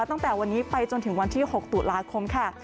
ตั้งแต่วันนี้ไปจนถึงวันที่๖ตุลาคมค่ะ